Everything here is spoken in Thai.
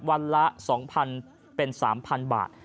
วันละ๒๐๐เป็น๓๐๐บาท